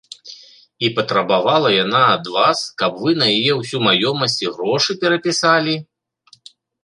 І патрабавала яна ад вас, каб вы на яе ўсю маёмасць і грошы перапісалі?